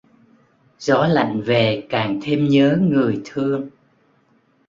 Gió lạnh về càng thêm nhớ người thương